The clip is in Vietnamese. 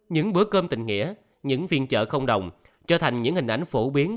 những bữa cơm tình nghĩa những phiên chợ không đồng trở thành những hình ảnh phổ biến